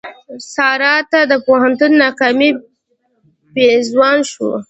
سارا ته د پوهنتون ناکامي پېزوان شو.